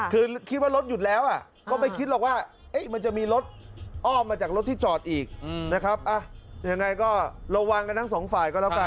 คือคิดว่ารถหยุดแล้วก็ไม่คิดหรอกว่า